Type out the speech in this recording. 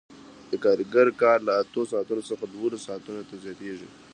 د کارګر کار له اتو ساعتونو څخه دولسو ساعتونو ته زیاتېږي